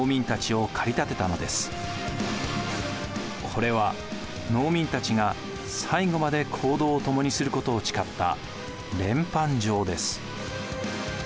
これは農民たちが最後まで行動を共にすることを誓った連判状です。